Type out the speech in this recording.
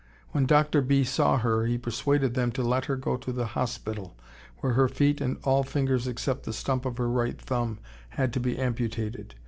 When Dr. B. saw her he persuaded them to let her go to the Hospital, where her feet and all fingers except the stump of her right thumb had to be amputated.